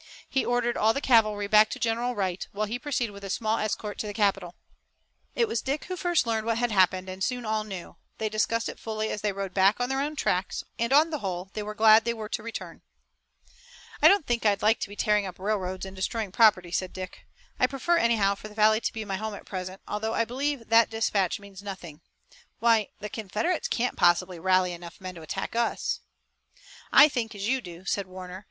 He ordered all the cavalry back to General Wright, while he proceeded with a small escort to the capital. It was Dick who first learned what had happened, and soon all knew. They discussed it fully as they rode back on their own tracks, and on the whole they were glad they were to return. "I don't think I'd like to be tearing up railroads and destroying property," said Dick. "I prefer anyhow for the valley to be my home at present, although I believe that dispatch means nothing. Why, the Confederates can't possibly rally enough men to attack us!" "I think as you do," said Warner.